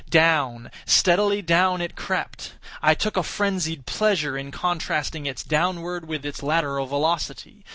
Down—steadily down it crept. I took a frenzied pleasure in contrasting its downward with its lateral velocity.